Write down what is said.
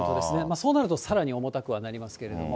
そうなるとさらに重たくはなりますけれども。